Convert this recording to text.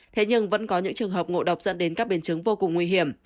thế nhưng vẫn có những trường hợp ngộ độc dẫn đến các biến chứng vô cùng nguy hiểm